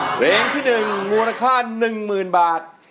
เพลงที่หนึ่งมูลค่าหนึ่งหมื่นบาท